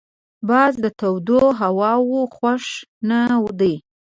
باز د تودو هواوو خوښ نه دی